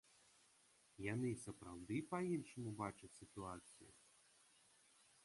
Яны сапраўды па-іншаму бачаць сітуацыю?